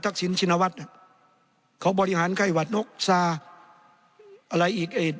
ตักศิลป์ชินวัฒน์น่ะเขาบริหารใครหวัดนกซาอะไรอีก